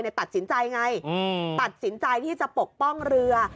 ตัดสินใจไงตัดสินใจที่จะปกป้องเรือ